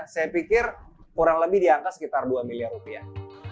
saya pikir kurang lebih di angka sekitar dua miliar rupiah